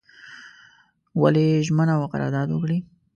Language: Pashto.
ولي ژمنه او قرارداد وکړي.